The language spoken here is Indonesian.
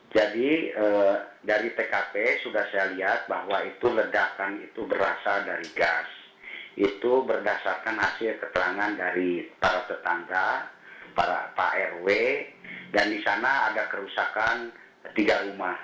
jadi dari tkp sudah saya lihat bahwa itu ledakan itu berasal dari gas itu berdasarkan hasil keterangan dari para tetangga para pak rw dan di sana ada kerusakan tiga rumah